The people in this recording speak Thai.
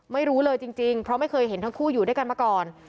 ไม่รู้เลยจริงเพราะไม่เคยเห็นทั้งคู่อยู่ด้วยกันมาก่อน